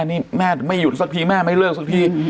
นี่แม่ไม่หยุดสักทีแม่ไม่เลิกสักที